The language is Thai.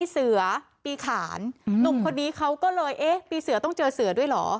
เสือปีขานหนุ่มคนนี้เขาก็เลยเอ๊ะปีเสือต้องเจอเสือด้วยเหรอ